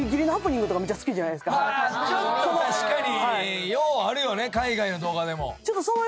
ちょっと確かにようあるよね海外の動画でも。